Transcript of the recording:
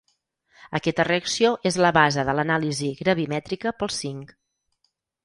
Aquesta reacció és la base de l'anàlisi gravimètrica pel zinc.